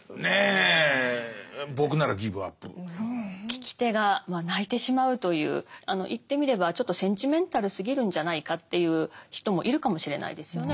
聞き手が泣いてしまうというあの言ってみればちょっとセンチメンタルすぎるんじゃないかっていう人もいるかもしれないですよね。